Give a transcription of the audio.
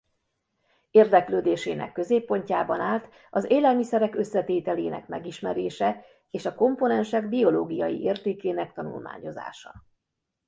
Érdeklődésének középpontjában állt az élelmiszerek összetételének megismerése és a komponensek biológiai értékének tanulmányozása.